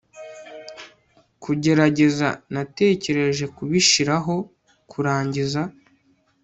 Kugerageza Natekereje kubishiraho kurangiza